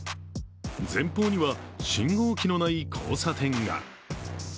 前方には信号機のない交差点が。